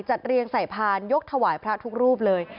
จัดเตรียมสายพ่านยกถว่ายพระทุกรูปเลย